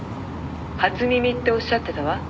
初耳っておっしゃってたわ」